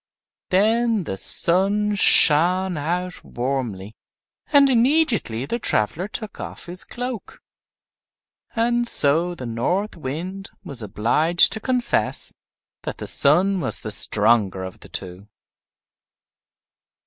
Then the Sun shined out warmly, and immediately the traveler took off his cloak. And so the North Wind was obliged to confess that the Sun was the stronger of the two.